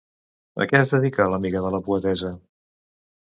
A què es dedica l'amiga de la poetessa?